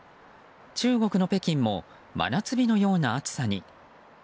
中国の北京も真夏日のような暑さに。